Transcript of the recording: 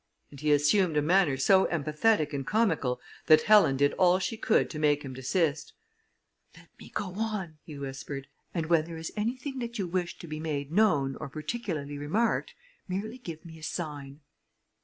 and he assumed a manner so emphatic and comical, that Helen did all she could to make him desist: "Let me go on," he whispered, "and when there is anything that you wish to be made known or particularly remarked, merely give me a sign."